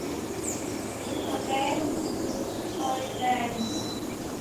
Aland islands